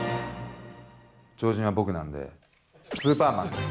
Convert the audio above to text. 超人は僕なんで、スーパーマンです。